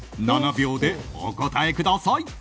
７秒でお答えください。